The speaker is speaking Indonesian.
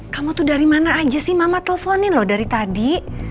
kamu tuh dari mana aja sih mama teleponin loh dari tadi